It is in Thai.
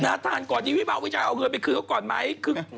หน้าทหารก่อนที่วิบาลไม่ได้เอาเงินไปคืนก่อนไหม